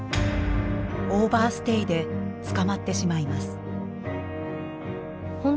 オーバーステイで捕まってしまいます。